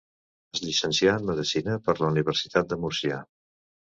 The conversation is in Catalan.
Es llicencià en Medicina per la Universitat de Múrcia.